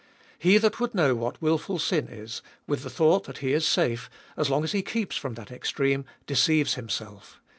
He that would know what wilful sin is, with the thought that he is safe, as long as he keeps from that extreme, deceives himself.